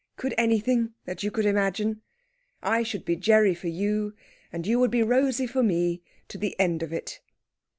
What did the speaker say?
Could anything that you can imagine? I should be Gerry for you, and you would be Rosey for me, to the end of it."